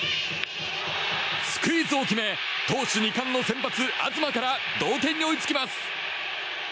スクイズを決め投手２冠の先発、東から同点に追いつきます。